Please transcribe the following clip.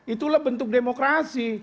itulah bentuk demokrasi